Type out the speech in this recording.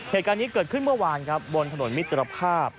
เหตุการณ์นี้เกิดขึ้นเมื่อวานครับบนถนนมิตรภาพ